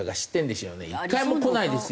１回もこないですよ。